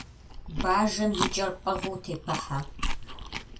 Бажэм и кӀэр пӀыгъыу тепыхьэ.